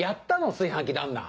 炊飯器旦那。